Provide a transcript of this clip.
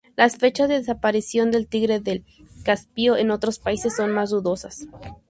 Las fechas de desaparición del tigre del Caspio en otros países son más dudosas.